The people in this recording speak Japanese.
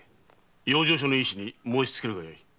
養生所の医師に申しつけるがよい。